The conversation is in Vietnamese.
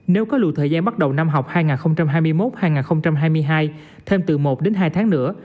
nếu có lùi thời gian bắt đầu năm học hai nghìn hai mươi một hai nghìn hai mươi hai thêm từ một đến hai tháng nữa